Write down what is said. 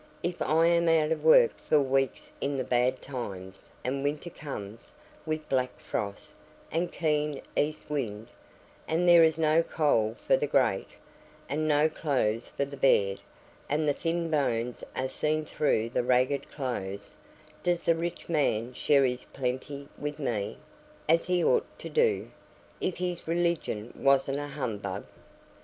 If I am out of work for weeks in the bad times, and winter comes, with black frost, and keen east wind, and there is no coal for the grate, and no clothes for the bed, and the thin bones are seen through the ragged clothes, does the rich man share his plenty with me, as he ought to do, if his religion wasn't a humbug?